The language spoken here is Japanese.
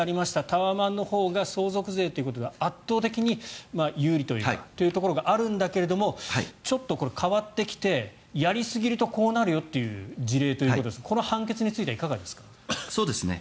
タワマンのほうが相続税が圧倒的に有利というのがあるんだけれどもちょっと変わってきてやりすぎるとこうなるよという事例ということですがこの判決についてはいかがですか。